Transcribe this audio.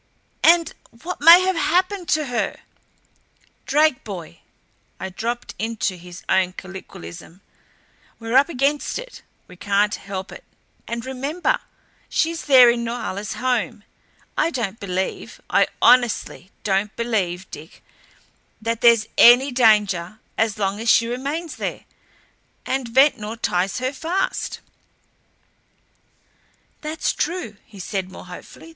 And what may have HAPPENED to her?" "Drake, boy" I dropped into his own colloquialism "we're up against it. We can't help it. And remember she's there in Norhala's home. I don't believe, I honestly don't believe, Dick, that there's any danger as long as she remains there. And Ventnor ties her fast." "That's true," he said, more hopefully.